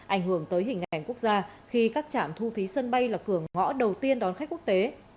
ảnh hưởng tới hình ảnh quốc gia khi các trạm thu phí sân bay là cửa ngõ đầu tiên đón khách quốc tế